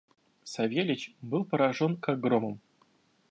Савельич был поражен как громом.